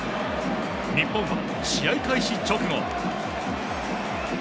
日本、試合開始直後。